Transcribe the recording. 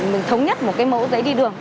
mình thống nhất một cái mẫu giấy đi đường